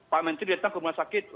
pak menteri datang ke rumah sakit